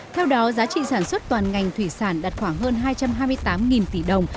theo đó giá trị sản xuất toàn ngành thủy sản đạt khoảng hơn hai trăm hai mươi tám tỷ đồng